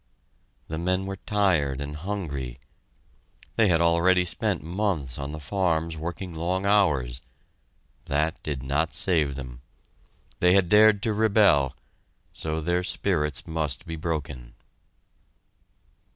The men were tired and hungry. They had already spent months on the farms, working long hours: that did not save them. They had dared to rebel, so their spirits must be broken.